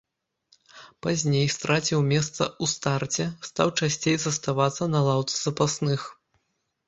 Пазней страціў месца ў старце, стаў часцей заставацца на лаўцы запасных.